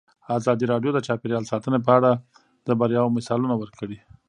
ازادي راډیو د چاپیریال ساتنه په اړه د بریاوو مثالونه ورکړي.